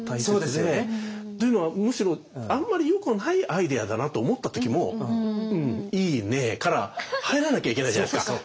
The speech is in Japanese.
そうですよね。というのはむしろあんまりよくないアイデアだなと思った時も「うんいいね」から入らなきゃいけないじゃないですか。